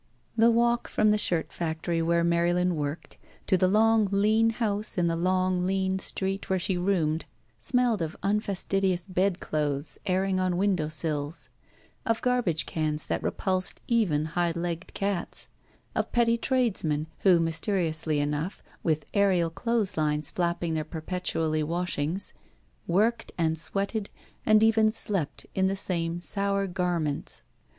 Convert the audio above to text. The walk from the shirt factory where Marylin worked, to the long, lean house in the long, lean street where she roomed, smelled of tmf astidious bed clothes airing on window sills; of garbage cans that repulsed even high legged cats; of petty tradesmen who, mysteriously enough, with aerial clotheslines flapping their perpetually washings, worked and sweated and even slept in the same sour garments.